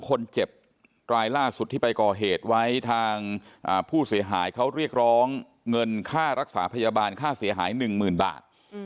คนเจ็บรายล่าสุดที่ไปก่อเหตุไว้ทางผู้เสียหายเขาเรียกร้องเงินค่ารักษาพยาบาลค่าเสียหาย๑๐๐๐บาท